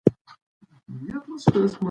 هګۍ د پروټین ښه منبع نه ده.